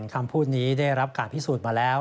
คำพูดนี้ได้รับการพิสูจน์มาแล้ว